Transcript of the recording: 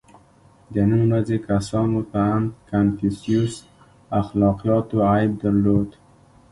• د نن ورځې کسانو په اند کنفوسیوس اخلاقیاتو عیب درلود.